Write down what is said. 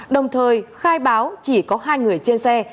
đồng thời khai báo chỉ có hai người trên xe